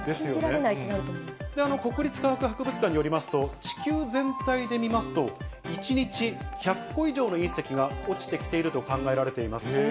国立科学博物館によりますと、地球全体で見ますと、１日１００個以上の隕石が落ちてきていると考えられています。